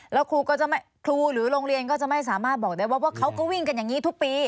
แล้วครูก็จะครูหรือโรงเรียนก็จะไม่สามารถบอกได้ว่าเขาก็วิ่งกันอย่างนี้ทุกปี